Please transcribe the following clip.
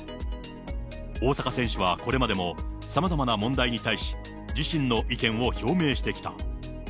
大坂選手はこれまでも、さまざまな問題に対し、自身の意見を表明してきた。